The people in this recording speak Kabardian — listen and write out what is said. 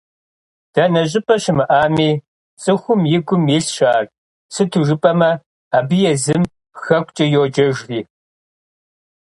Дэнэ щӏыпӏэ щымыӏами, цӏыхум и гум илъщ ар, сыту жыпӏэмэ абы езым Хэкукӏэ йоджэжри.